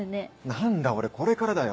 何だ俺これからだよ。